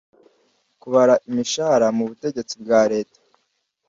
kubara imishahara mu butegetsi bwa leta